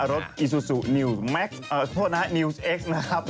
อีซูซูนิวแม็กซ์โทษนะนิวส์เอ็กซ์นะครับ